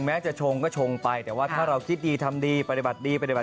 มันก็ต้องเจอสิ่งดีอยู่แล้ว